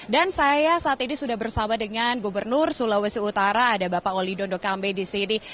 dan saya saat ini sudah bersama dengan gubernur sulawesi utara ada bapak olidon dokambe di sini